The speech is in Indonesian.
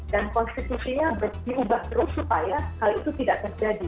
dan konstitusinya diubah terus supaya hal itu tidak terjadi